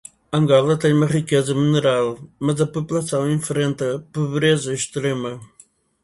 Angola tem riqueza mineral, mas a população enfrenta pobreza extrema